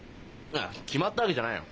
ああ決まったわけじゃないよ。